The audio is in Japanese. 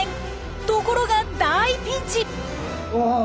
ところが大ピンチ！あっ！